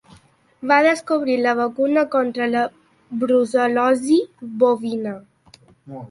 Va descobrir la vacuna contra la brucel·losi bovina.